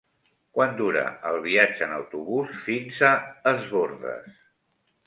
Quant dura el viatge en autobús fins a Es Bòrdes?